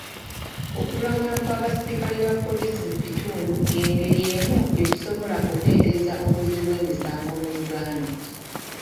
Okulawuna kw'abaserikale ba poliisi mu kitundu y'engeri emu gye tusobola okukendeeza obuzzi bw'emisango mu Uganda.